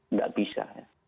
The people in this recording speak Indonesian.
nggak bisa ya